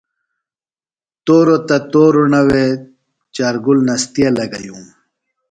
توروۡ تہ تورݨہ وے چار گُل نستیے لگئیوم۔